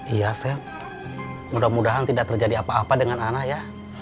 iya saya mudah mudahan tidak terjadi apa apa dengan anak ya